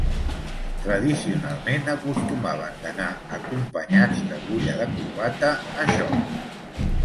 Tradicionalment acostumaven d'anar acompanyats d'agulla de corbata a joc.